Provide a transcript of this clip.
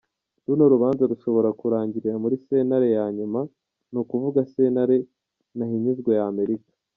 Runo rubanza rushobora kurangirira muri sentare ya nyuma n'ukuvuga sentare ntahinyuzwa ya Amerika.